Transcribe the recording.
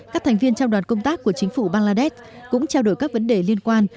các thành viên trong đoàn công tác của chính phủ bangladesh cũng trao đổi các vấn đề liên quan